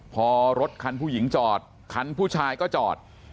พอรถคันผู้หญิงจอดคันผู้ชายก็จอด